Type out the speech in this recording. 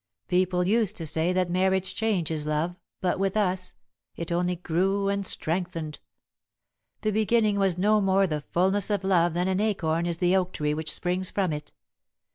People used to say that marriage changes love, but, with us, it only grew and strengthened. The beginning was no more the fulness of love than an acorn is the oak tree which springs from it.